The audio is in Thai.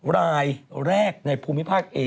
รายแรกในภูมิภาคเอ